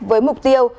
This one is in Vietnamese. với mục tiêu